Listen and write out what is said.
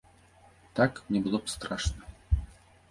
Так, мне было б страшна!